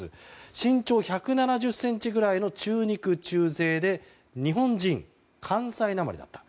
身長１７０ｃｍぐらいの中肉中背日本人、関西なまりだったと。